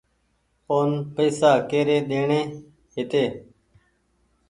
اون پئيسا ڪيري ڏيڻي هيتي۔